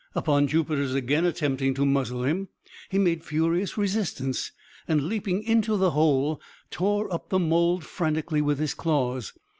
Upon Jupiter's again attempting to muzzle him, he made furious resistance, and, leaping into the hole, tore up the mould frantically with his claws.